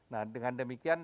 nah dengan demikian